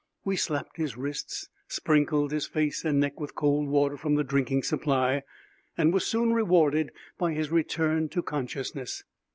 We slapped his wrists, sprinkled his face and neck with cold water from the drinking supply, and were soon rewarded by his return to consciousness.